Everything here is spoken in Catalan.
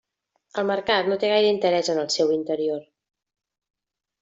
El mercat no té gaire interès en el seu interior.